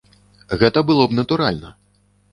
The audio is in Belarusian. Гэта было б натуральна.